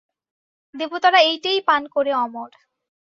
দেবতারা এইটেই পান করে অমর।